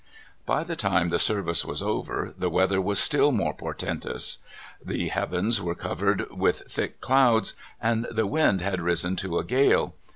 By the time the service was over the weather was still more portentous. The heavens were covered with thick clouds, and the wind had risen to a gale.